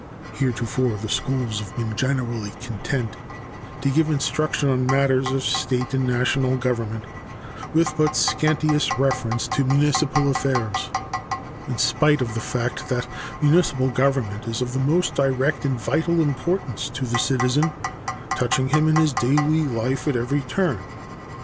Heretofore the schools have been generally content to give instruction on matters of state and national government, with but scantiest reference to municipal affairs, in spite of the fact that municipal government is of most direct and vital importance to the citizen, touching him in his daily life at every turn.